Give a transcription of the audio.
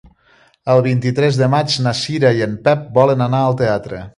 El vint-i-tres de maig na Cira i en Pep volen anar al teatre.